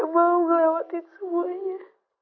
gue mau ngelewatin semuanya